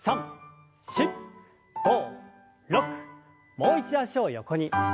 もう一度脚を横に。